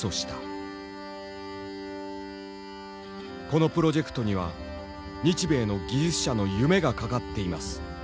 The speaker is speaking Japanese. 「このプロジェクトには日米の技術者の夢がかかっています。